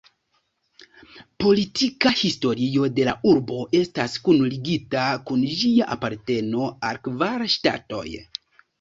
Politika historio de la urbo estas kunligita kun ĝia aparteno al kvar ŝtatoj.